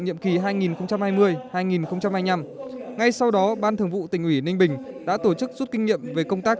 nhiệm kỳ hai nghìn hai mươi hai nghìn hai mươi năm ngay sau đó ban thường vụ tỉnh ủy ninh bình đã tổ chức rút kinh nghiệm về công tác